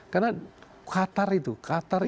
karena qatar itu qatar